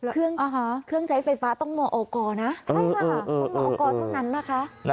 เครื่องใช้ไฟฟ้าต้องมอกรนะใช่ค่ะต้องมอกรเท่านั้นนะคะ